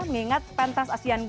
mengingat pentas asean go